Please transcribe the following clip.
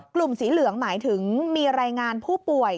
กลุ่มสีเหลืองหมายถึงมีรายงานผู้ป่วย